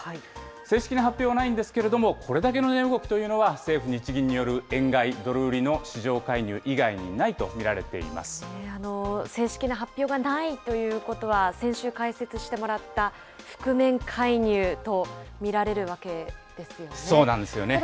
正式な発表はないんですけれども、これだけの値動きというのは、政府・日銀による円買いドル売りの市場介入以外にないと見られて正式な発表がないということは、先週解説してもらった覆面介入と見られるわけですよね。